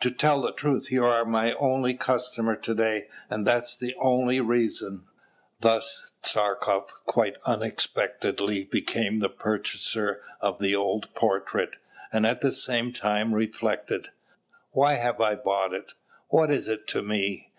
To tell the truth, you are my only customer to day, and that's the only reason." Thus Tchartkoff quite unexpectedly became the purchaser of the old portrait, and at the same time reflected, "Why have I bought it? What is it to me?"